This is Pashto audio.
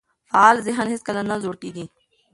فعال ذهن هیڅکله نه زوړ کیږي.